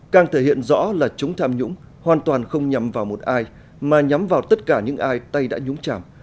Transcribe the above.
càng thể hiện rõ là chống tham nhũng hoàn toàn không nhầm vào một ai mà nhắm vào tất cả những ai tay đã nhúng chảm